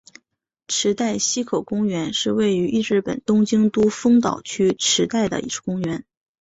池袋西口公园是位于日本东京都丰岛区池袋的一处公园。